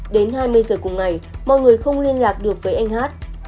đến hai mươi giờ cùng ngày mọi người không liên lạc được với anh hát